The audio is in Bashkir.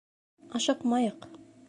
— Ашыҡмайыҡ.